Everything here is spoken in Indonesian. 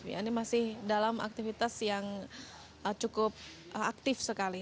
ini masih dalam aktivitas yang cukup aktif sekali